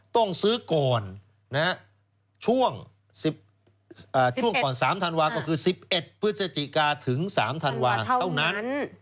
ต้องซื้อก่อนช่วงก่อน๓ธันวาก็คือ๑๑พฤศจิกาถึง๓ธันวาเท่านั้น